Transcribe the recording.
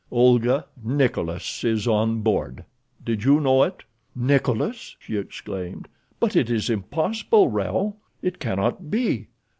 "Olga, Nikolas is on board. Did you know it?" "Nikolas!" she exclaimed. "But it is impossible, Raoul. It cannot be.